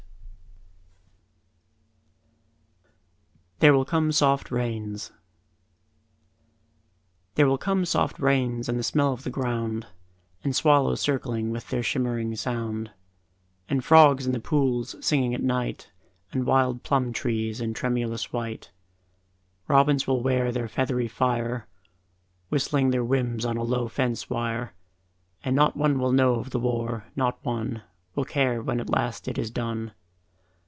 VIII "There Will Come Soft Rains" (War Time) There will come soft rains and the smell of the ground, And swallows circling with their shimmering sound; And frogs in the pools singing at night, And wild plum trees in tremulous white; Robins will wear their feathery fire Whistling their whims on a low fence wire; And not one will know of the war, not one Will care at last when it is done.